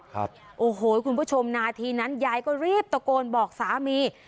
โอ้โหคุณผู้ชมนาทีนั้นยายก็รีบตะโกนบอกสามี